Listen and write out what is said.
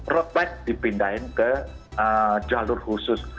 road bike dipindahin ke jalur khusus